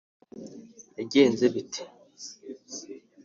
yagenze bite